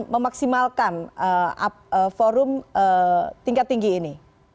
memaksimalkan forum tingkat tinggi ini